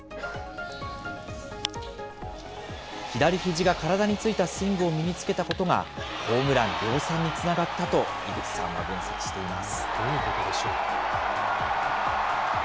左ひじが体についたスイングを身につけたことが、ホームラン量産につながったと、井口さんは分析しています。